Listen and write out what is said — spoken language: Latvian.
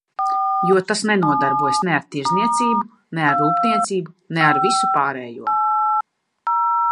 Jo tas nenodarbojas ne ar tirdzniecību, ne ar rūpniecību, ne ar visu pārējo.